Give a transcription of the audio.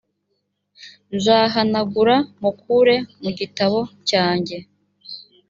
nzahanagura mukure mu gitabo cyanjye